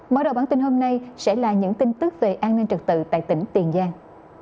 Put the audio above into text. mở đầu bản tin hôm nay sẽ là những tin tức về an ninh trật tự tại tỉnh tiền giang